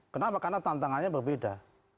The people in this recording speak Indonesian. kenapa karena tantangannya berbeda